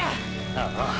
ああ！！